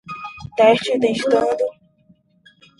Teste testando